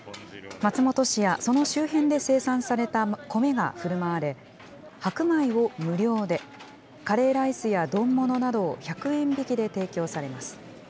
松本市やその周辺で生産された米がふるまわれ、白米を無料で、カレーライスや丼ものなどを１００円引きで提供されます。